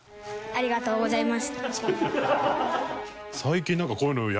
ありがとうございます。